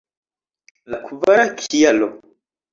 La kvara kialo!